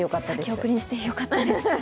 先送りにしてよかったです。